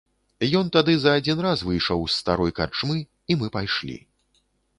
Ён тады за адзін раз выйшаў з старой карчмы, і мы пайшлі.